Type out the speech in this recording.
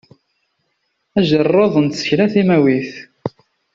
Ajerreḍ n tsekla timawit.